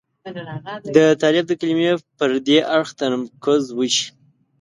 د طالب د کلمې پر دې اړخ تمرکز وشي.